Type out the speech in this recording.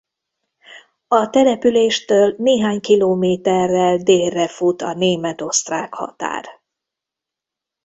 A településtől néhány kilométerrel délre fut a német-osztrák határ.